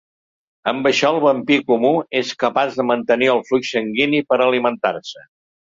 Amb això, el vampir comú és capaç de mantenir el flux sanguini per alimentar-se.